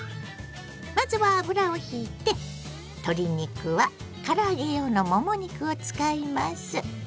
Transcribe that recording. まずは油をひいて鶏肉はから揚げ用のもも肉を使います。